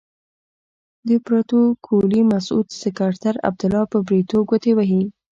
د پروتوکولي مسعود سکرتر عبدالله په بریتو ګوتې وهي.